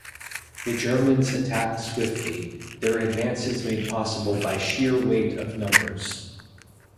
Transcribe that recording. The Germans attacked swiftly, their advances made possible by sheer weight of numbers.